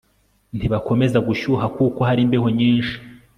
Ntibakomeza gushyuha kuko hari imbeho nyinshi